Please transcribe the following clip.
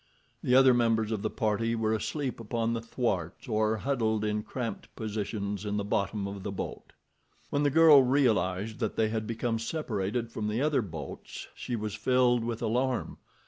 The other members of the party were asleep upon the thwarts or huddled in cramped positions in the bottom of the boat. When the girl realized that they had become separated from the other boats she was filled with alarm.